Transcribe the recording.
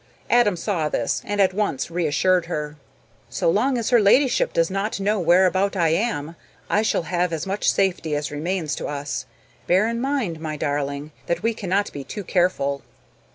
Adam saw this and at once reassured her. "So long as her ladyship does not know whereabout I am, I shall have as much safety as remains to us; bear in mind, my darling, that we cannot be too careful."